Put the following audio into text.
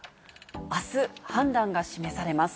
あす、判断が示されます。